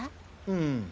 うん。